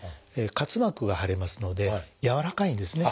滑膜が腫れますので柔らかいんですね。